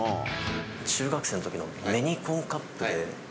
中学生のときのメニコンカッ